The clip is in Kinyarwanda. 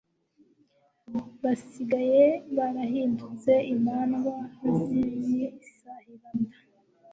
basigaye barahindutse imandwa z'ibisahiranda